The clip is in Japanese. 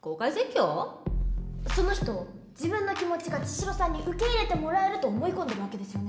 その人自分の気持ちが茅代さんに受け入れてもらえると思い込んでるわけですよね？